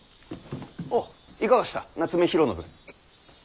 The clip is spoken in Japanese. おういかがした夏目広信。